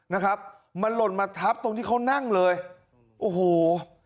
นะครับมันหล่นมาทับตรงที่เขานั่งเลยโอ้โห